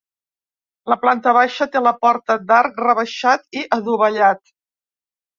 La planta baixa té la porta d'arc rebaixat i adovellat.